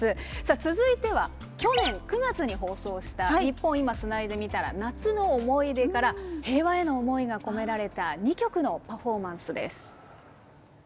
続いては去年９月に放送した「ニッポン『今』つないでみたら夏の思い出」から平和への思いが込められた２曲のパフォーマンスです。